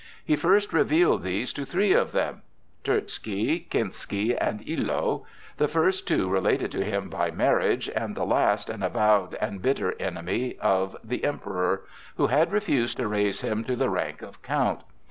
He first revealed these to three of them,—Terzky, Kinsky, and Illo,—the first two related to him by marriage, and the last an avowed and bitter enemy of the Emperor, who had refused to raise him to the rank of count.